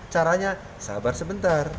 caranya sabar sebentar